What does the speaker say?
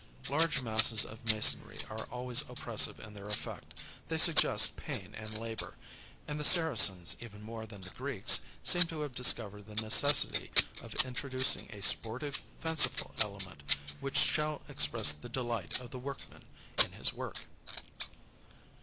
Large masses of masonry are always oppressive in their effect; they suggest pain and labor, and the Saracens, even more than the Greeks, seem to have discovered the necessity of introducing a sportive, fanciful element, which shall express the delight of the workman in his work.